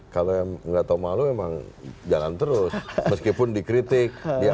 kalau yang nggak tahu malu memang jalan terus meskipun dikritik